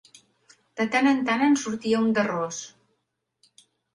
De tant en tant en sortia un de ros.